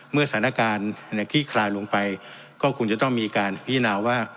เมื่อสถานการณ์ขี้คลายลงไปก็คงจะต้องมีการพิจารณาว่า